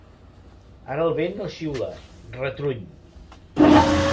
Ara el vent no xiula, retruny.